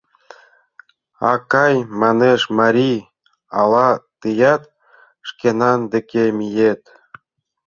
— Акай, — манеш марий, — ала тыят шкенан деке миет?